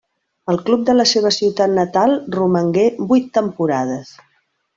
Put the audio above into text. Al club de la seva ciutat natal romangué vuit temporades.